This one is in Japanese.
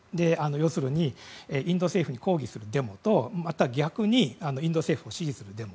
要するにインド政府に抗議するデモとまた逆にインド政府を支持するデモ。